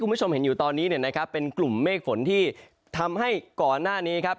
คุณผู้ชมเห็นอยู่ตอนนี้เนี่ยนะครับเป็นกลุ่มเมฆฝนที่ทำให้ก่อนหน้านี้ครับ